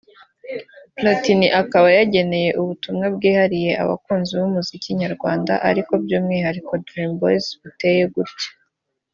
Platini akaba yageneye ubutumwa bwihariye abakunzi b’umuziki nyarwanda ariko by’umwihariko Dream boys buteye gutya